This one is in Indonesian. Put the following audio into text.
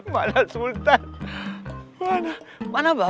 mana sultan bap aldala